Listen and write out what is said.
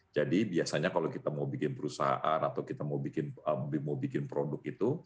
jadi biasanya kalau kita mau bikin perusahaan atau kita mau bikin produk itu